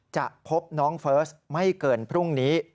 จะพบน้องเฟิร์สไม่เกินพรุ่งนี้